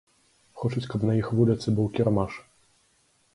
Хочуць, каб на іх вуліцы быў кірмаш.